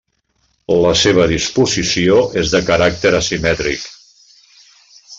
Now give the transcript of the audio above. La seva disposició és de caràcter asimètric.